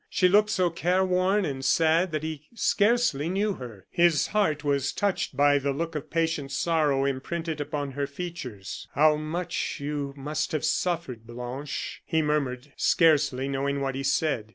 She looked so careworn and sad that he scarcely knew her. His heart was touched by the look of patient sorrow imprinted upon her features. "How much you must have suffered, Blanche," he murmured, scarcely knowing what he said.